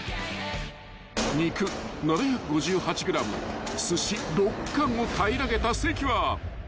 ［肉７５８ｇすし６貫を平らげた関は］